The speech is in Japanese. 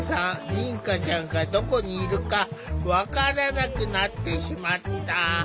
凛花ちゃんがどこにいるか分からなくなってしまった。